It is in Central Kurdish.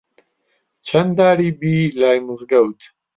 چەن داری بی لای مزگەوت